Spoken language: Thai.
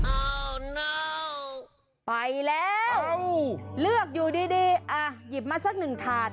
อ้าวไปแล้วเลือกอยู่ดีอ่ะหยิบมาสักหนึ่งถาด